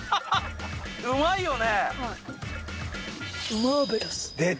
うまいよね。